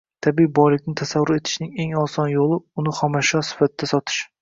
Tabiiy boylikni tasarruf etishning eng oson yo‘li – uni xom ashyo sifatida sotish.